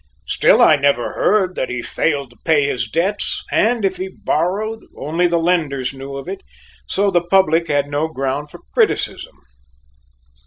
Still I never heard that he failed to pay his debts, and if he borrowed, only the lenders knew of it, so the public had no ground for criticism.